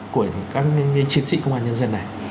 của các chiến sĩ công an nhân dân này